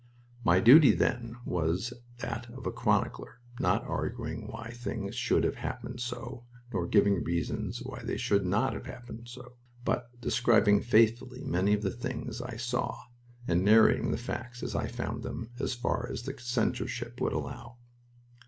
My duty, then, was that of a chronicler, not arguing why things should have happened so nor giving reasons why they should not happen so, but describing faithfully many of the things I saw, and narrating the facts as I found them, as far as the censorship would allow.